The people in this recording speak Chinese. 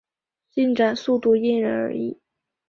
进展速度因人而异。